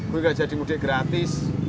gue nggak jadi mudik gratis